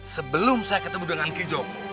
sebelum saya ketemu dengan kijoko